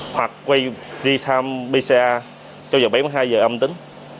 hoặc quay đi thăm pcr trong bảy mươi hai giờ âm tính